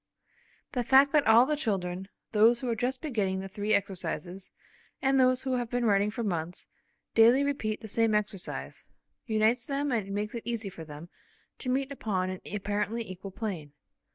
The fact that all the children, those who are just beginning the three exercises and those who have been writing for months, daily repeat the same exercise, unites them and makes it easy for them to meet upon an apparently equal plane.